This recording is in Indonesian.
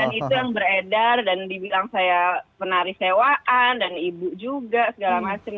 dan itu yang beredar dan dibilang saya penari sewaan dan ibu juga segala macam